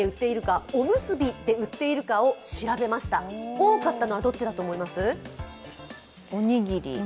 多かったのはどっちだと思います？